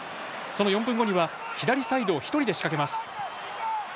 その４分後には左サイドを１人で仕掛けます。